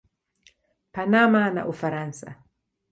Panama na Ufaransa.